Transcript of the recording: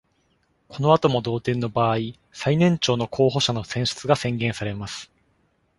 この後も同点の場合、最年長の候補者の選出が宣言されます。